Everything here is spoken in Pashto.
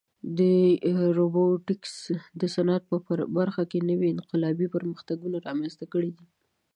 روبوټیکس د صنعت په برخه کې نوې انقلابي پرمختګونه رامنځته کړي دي.